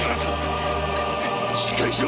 しっかりしろ！